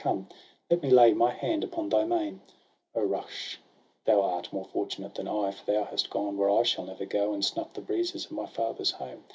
Come, let me lay my hand upon thy mane ! O Ruksh, thou art more fortunate than I; For thou hast gone where I shall never go, And snuff 'd the breezes of my father's home.